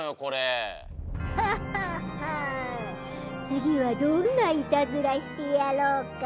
つぎはどんなイタズラしてやろうか？